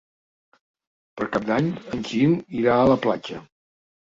Per Cap d'Any en Gil irà a la platja.